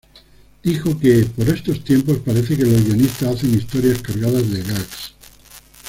Dijo que "Por estos tiempos, parece que los guionistas hacen historias cargadas de "gags".